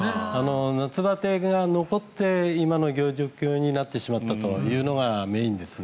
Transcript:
夏バテが残って今の状況になってしまったというのがメインですね。